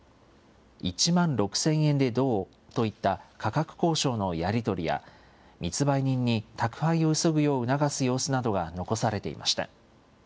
１万６０００円でどう？といった価格交渉のやり取りや、密売人に宅配を急ぐよう促す様子などが残されていました。